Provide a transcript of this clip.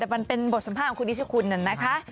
แต่มันเป็นบทสัมภาษณ์ของคุณนิชคุณน่ะนะคะ